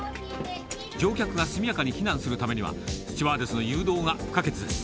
乗客が速やかに避難するためには、スチュワーデスの誘導が不可欠です。